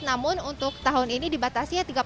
namun untuk tahun ini dibatasi untuk misa